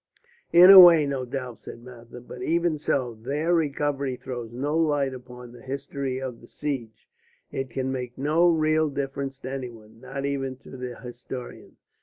"In a way, no doubt," said Mather. "But even so, their recovery throws no light upon the history of the siege. It can make no real difference to any one, not even to the historian."